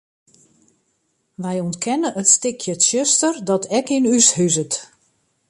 Wy ûntkenne it stikje tsjuster dat ek yn ús huzet.